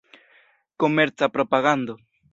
Komerca propagando.